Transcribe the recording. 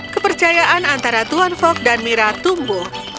kepercayaan antara tuan fok dan mira tumbuh